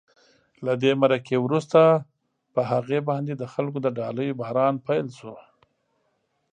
له دې مرکې وروسته په هغې باندې د خلکو د ډالیو باران پیل شو.